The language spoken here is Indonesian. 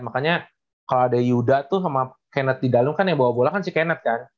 makanya kalau ada yuda tuh sama kenet di dalam kan yang bawa bola kan si kennet kan